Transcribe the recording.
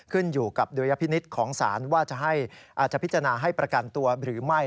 ขึ้นอยู่กับดุลยพินิษฐ์ของศาลว่าจะพิจารณาให้ประกันตัวหรือไม่